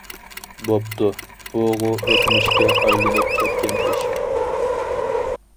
بوپتۇ بۇغۇ ئۆتمۈشكە ئايلىنىپ كەتكەن ئىش.